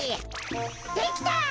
できた。